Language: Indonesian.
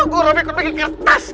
gue robin ke bagian kertas